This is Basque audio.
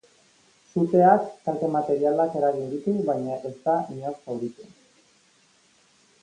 Suteak kalte materialak eragin ditu, baina ez da inor zauritu.